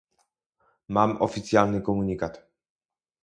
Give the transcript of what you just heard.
Mam oficjalny komunikat